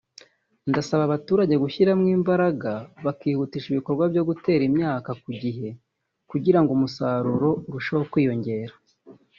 “Ndasaba Abaturage gushyiramo imbaraga bakihutisha ibikorwa byo gutera imyaka ku gihe kugira ngo umusaruro urusheho kwiyongera”